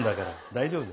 大丈夫。